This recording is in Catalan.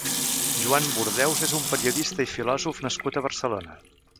Joan Burdeus és un periodista i filòsof nascut a Barcelona.